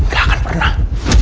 gak akan pernah